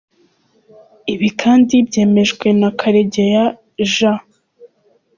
Ibi kandi byemejwe na Karegeya J.